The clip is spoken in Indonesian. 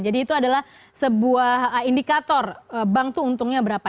itu adalah sebuah indikator bank itu untungnya berapa